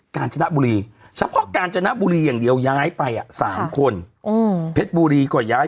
การชนะบุรีเฉพาะกาญจนบุรีอย่างเดียวย้ายไปอ่ะ๓คนเพชรบุรีก็ย้าย